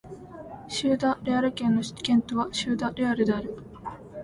シウダ・レアル県の県都はシウダ・レアルである